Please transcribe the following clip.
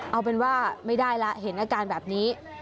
เอาเป็นว่าไม่ได้ละเห็นอาการแบบนี้